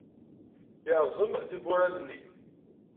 Yerẓem tiwwura-nni.